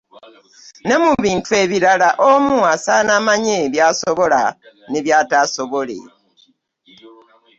Ne mu bintu ebirala omu asaana amanye byasobole ne byatasobole .